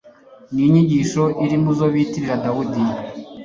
ni inyigisho iri mu zo bitirira dawudi